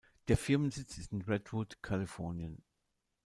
Der Firmensitz ist in Redwood, Kalifornien.